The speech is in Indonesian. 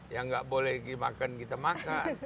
ya nggak boleh makan kita makan